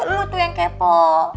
lo tuh yang kepo